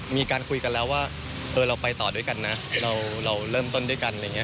มีการคุยกันแล้วว่าเราไปต่อด้วยกันนะเราเริ่มต้นด้วยกันอะไรอย่างนี้